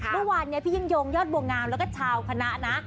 เมื่อวานนี้พี่ยิ่งยงยอดบัวงามแล้วก็ชาวคณะนะ